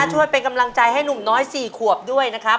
ช่วยเป็นกำลังใจให้หนุ่มน้อย๔ขวบด้วยนะครับ